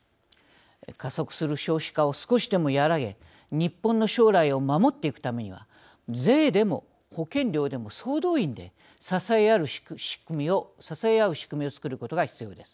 加速する少子化を少しでも和らげ日本の将来を守っていくためには税でも、保険料でも、総動員で支え合う仕組みを作ることが必要です。